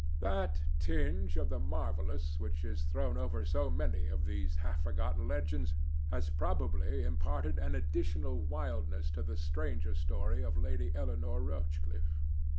That tinge of the marvellous which is thrown over so many of these half forgotten legends has probably imparted an additional wildness to the strange story of Lady Eleanore Rochcliffe.